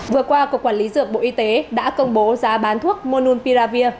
vừa qua cục quản lý dược bộ y tế đã công bố giá bán thuốc mononpiravir